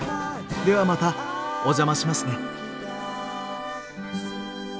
ではまたお邪魔しますね。